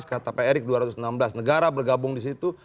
kata pak erick dua ratus enam belas negara bergabung di situ